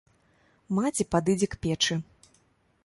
Маці падыдзе к печы.